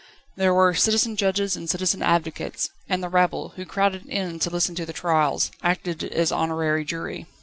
There were citizen judges and citizen advocates, and the rabble, who crowded in to listen to the trials, acted as honorary jury.